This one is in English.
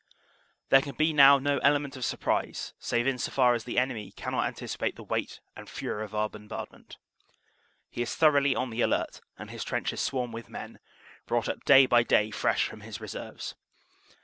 There can be now no element of sur prise, save in so far as the enemy cannot anticipate the weight and fury of our bombardment. He is thoroughly on the alert and his trenches swarm with men, brought up day by day fresh from his reserves.